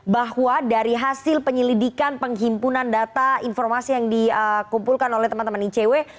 bahwa dari hasil penyelidikan penghimpunan data informasi yang dikumpulkan oleh teman teman icw